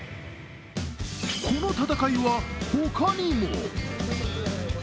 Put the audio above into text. この戦いは、他にも。